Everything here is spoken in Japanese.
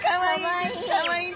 かわいい。